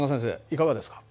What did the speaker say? いかがですか。